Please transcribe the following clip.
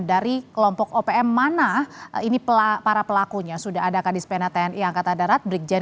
dari kelompok opm mana ini para pelakunya sudah ada kadis pena tni angkatan darat brigjen